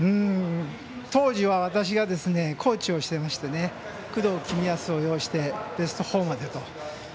当時は私がコーチをしてまして工藤公康を擁してベスト４までと。